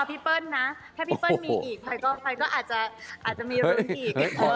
แค่พี่เปิ้ลมีอีกใครก็อาจจะมีรุนอีก